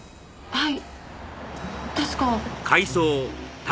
「はい」